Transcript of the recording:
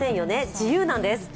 自由なんです。